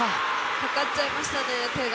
かかっちゃいましたね、手が。